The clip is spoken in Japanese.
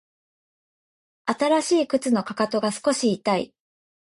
新しい靴のかかとが少し痛い